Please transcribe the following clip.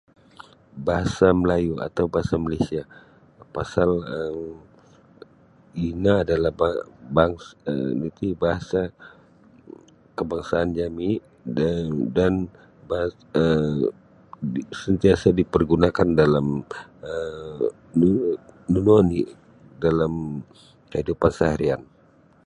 Bahasa Melayu atau bahasa Malaysia pasal um ino adalah bah bahasa nu iti bahasa kabangsaan jami' dan dan um sentiasa dipergunakan dalam um nunu oni' dalam kaidupan seharian.